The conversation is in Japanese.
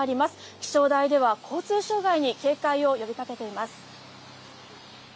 気象台では交通障害に警戒を呼びかけています。